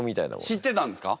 知ってたんですか？